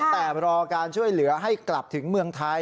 แต่รอการช่วยเหลือให้กลับถึงเมืองไทย